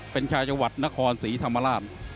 เป็นชาวจังหวัดนครศรีธรรมราช